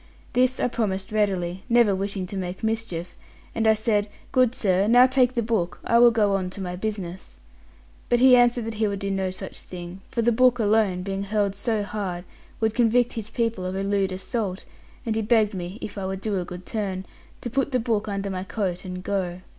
This I promised readily, never wishing to make mischief; and I said, 'Good sir, now take the book; I will go on to my business.' But he answered that he would do no such thing; for the book alone, being hurled so hard, would convict his people of a lewd assault; and he begged me, if I would do a good turn, to put the book under my coat and go.